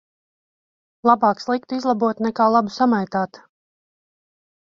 Labāk sliktu izlabot nekā labu samaitāt.